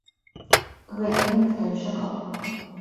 Гэтага ніхто не чакаў.